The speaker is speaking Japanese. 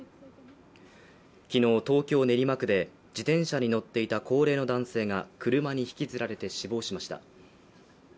昨日、東京・練馬区で自転車に乗っていた高齢の男性が車に引きずられて死亡しました。